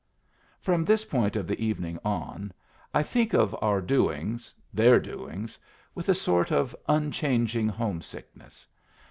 From this point of the evening on, I think of our doings their doings with a sort of unchanging homesickness.